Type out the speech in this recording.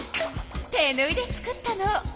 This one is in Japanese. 手ぬいで作ったの。